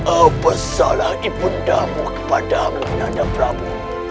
apa salah ibundamu kepada mlihan dabramu